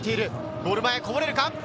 ゴール前こぼれるか？